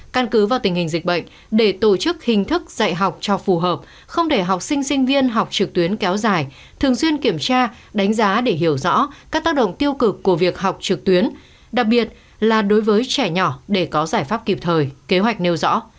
căn cứ vào tình hình dịch bệnh để tổ chức hình thức dạy học cho phù hợp không để học sinh sinh viên học trực tuyến kéo dài thường xuyên kiểm tra đánh giá để hiểu rõ các tác động tiêu cực của việc học trực tuyến đặc biệt là đối với trẻ nhỏ để có giải pháp kịp thời kế hoạch nêu rõ